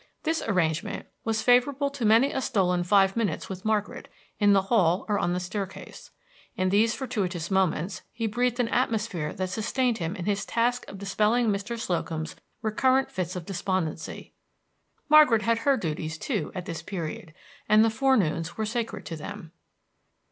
This arrangement was favorable to many a stolen five minutes with Margaret, in the hall or on the staircase. In these fortuitous moments he breathed an atmosphere that sustained him in his task of dispelling Mr. Slocum's recurrent fits of despondency. Margaret had her duties, too, at this period, and the forenoons were sacred to them.